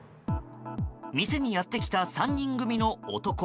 店にやってきた３人組の男。